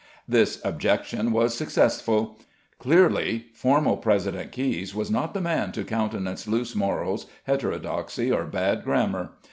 This objection was successful. Clearly formal President Caius was not the man to countenance loose morals, heterodoxy, or bad grammar.